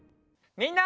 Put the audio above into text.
みんな！